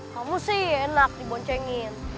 kamu sih enak diboncengin